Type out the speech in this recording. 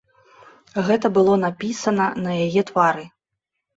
Гэта было напісана на яе твары.